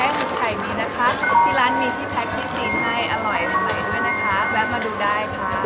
แว่นมาดูได้ค่ะ